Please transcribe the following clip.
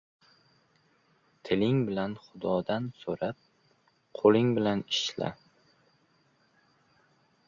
• Tiling bilan Xudodan so‘rab, qo‘ling bilan ishla.